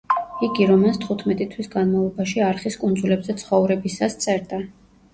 იგი რომანს თხუთმეტი თვის განმავლობაში არხის კუნძულებზე ცხოვრებისას წერდა.